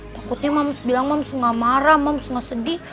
takutnya moms bilang moms nggak marah moms nggak sedih